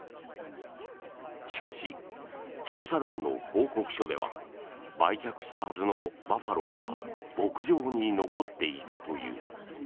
しかし、調査団の報告書では売却したはずのバッファローが牧場に残っていたという。